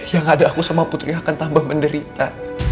yang ada aku sama putri akan tambah menderita